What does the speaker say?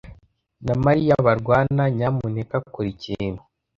na Mariya barwana. Nyamuneka kora ikintu.